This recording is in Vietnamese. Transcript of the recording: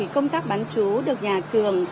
công tác bán chú được nhà trường